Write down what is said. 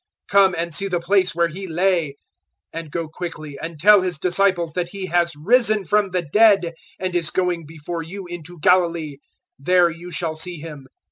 Come and see the place where He lay. 028:007 And go quickly and tell His disciples that He has risen from the dead and is going before you into Galilee: there you shall see Him.